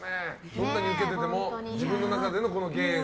どんなにウケてても自分の中での芸が。